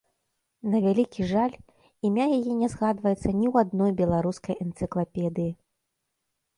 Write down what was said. На вялікі жаль, імя яе не згадваецца ні ў адной беларускай энцыклапедыі.